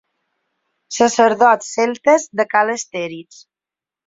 Sacerdots celtes de ca l'Astèrix.